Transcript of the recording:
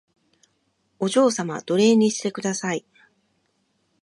お嬢様奴隷にしてください